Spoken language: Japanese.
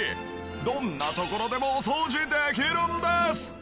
どんなところでもお掃除できるんです！